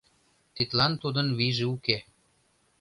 Тидлан тудын вийже уке.